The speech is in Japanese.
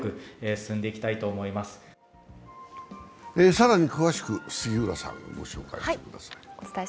更に詳しく杉浦さん、ご紹介してください。